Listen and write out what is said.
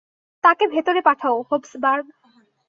তাকে ভেতরে পাঠাও, হোপসবার্গ।